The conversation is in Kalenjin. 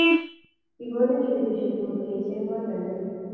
Kikonech betushek muut kecheng kot ake